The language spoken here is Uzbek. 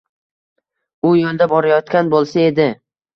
U yo‘lda borayotgan bo‘lsa edi.